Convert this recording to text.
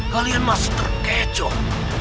kalian masih terkecoh